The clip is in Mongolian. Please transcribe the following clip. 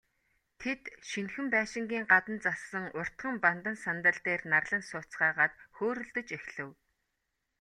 Тэд, шинэхэн байшингийн гадна зассан уртхан бандан сандал дээр нарлан сууцгаагаад хөөрөлдөж эхлэв.